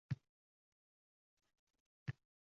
Baribir qizi-da, jigarining qonidan bo`lgan